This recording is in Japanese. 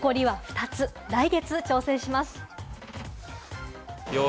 残りは２つ、来月挑戦します。